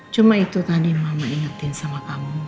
cuma itu tadi mama ingetin sama kamu